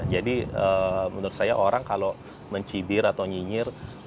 jadi menurut saya orang kalau mencibir atau nyinyir